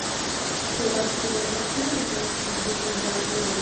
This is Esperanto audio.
Ĉe la okcidenta flanko estis du pintaj turoj.